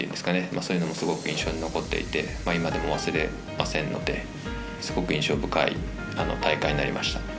そういうのも印象に残っていて今でも忘れませんのですごく印象深い大会になりました。